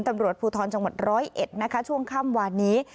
ตำรวจภูทรจังหวัดร้อยเอ็ดนะคะช่วงค่ำวานนี้